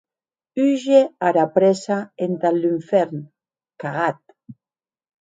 Húger ara prèssa entath lunfèrn, cagat!